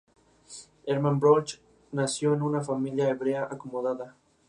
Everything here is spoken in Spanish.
Es parte del Mar de Bohol.